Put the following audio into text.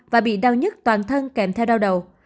và bị đau nhất toàn thân kèm theo đau đầu